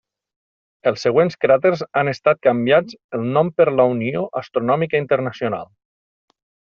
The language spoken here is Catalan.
Els següents cràters han estat canviats el nom per la Unió Astronòmica Internacional.